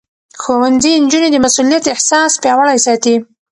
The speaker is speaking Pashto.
ښوونځی نجونې د مسؤليت احساس پياوړې ساتي.